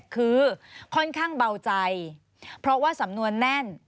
คือค่อนข้างเบาใจเพราะว่าสำนวนแน่น